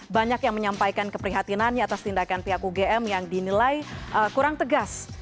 banyak yang menyampaikan keprihatinannya atas tindakan pihak ugm yang dinilai kurang tegas